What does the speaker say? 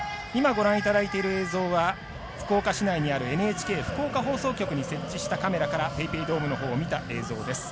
ご覧いただいている映像は福岡市内にあるＮＨＫ福岡放送局にあるカメラからＰａｙＰａｙドームのほうを見た映像です。